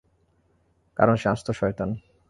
কারণ সে আস্ত শয়তান।